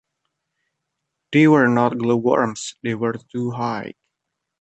They were not glow-worms; they were too high.